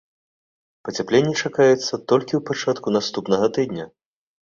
Пацяпленне чакаецца толькі ў пачатку наступнага тыдня.